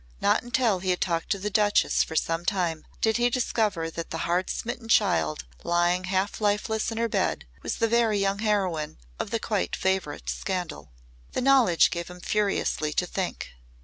Not until he had talked to the Duchess for some time did he discover that the hard smitten child lying half lifeless in her bed was the very young heroine of the quite favourite scandal. The knowledge gave him furiously to think.